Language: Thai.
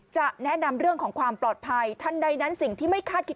จะแนะนำเรื่องของความปลอดภัยทันใดนั้นสิ่งที่ไม่คาดคิด